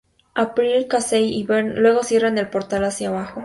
April, Casey y Vern luego cierran el portal hacia abajo.